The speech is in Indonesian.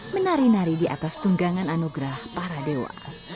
menari nari di atas tunggangan anugerah para dewa